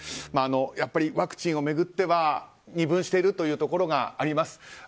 やっぱりワクチンを巡っては二分しているというところがあります。